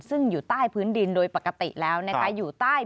ซึ่งอยู่ใต้พื้นดินโดยปกติแล้วนะคะอยู่ใต้